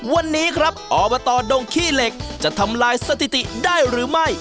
วันนี้ครับอบตดงขี้เหล็กจะทำลายสถิติได้หรือไม่